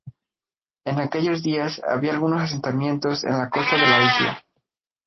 En aquellos días, había algunos asentamientos en la costa de la isla.